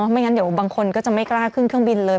ไม่งั้นเดี๋ยวบางคนก็จะไม่กล้าขึ้นเครื่องบินเลย